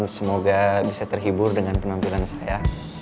semoga bisa terhibur dengan penampilan saya